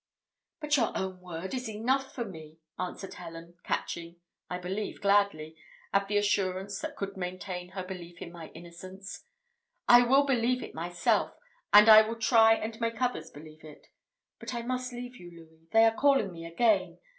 "But your own word is enough for me," answered Helen, catching, I believe gladly, at any assurance that could maintain her belief in my innocence; "I will believe it myself, and I will try and make others believe it. But I must leave you, Louis; they are calling me again.